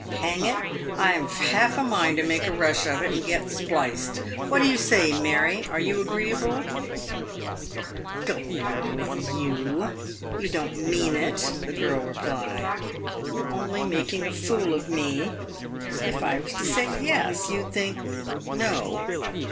" Hang it ! I've half a mind to make a rush of it, and get spliced. "What do you say, Mary ? Are you agreeable ?"" Go along with you — you don't mean it," the girl replied. " You're only making a fool of me. If I was to say : Yes, you'd think : No.